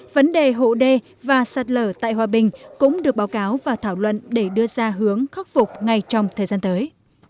vấn đề hộ đê và sạt lở tại hòa bình cũng được báo cáo và thảo luận để đưa ra hướng khắc phục ngay trong thời gian tới